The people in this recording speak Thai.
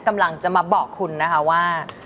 กำลังจะมาบอกคุณนะคะว่า